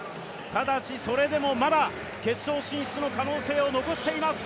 ただしそれでもまだ決勝進出の可能性を残しています。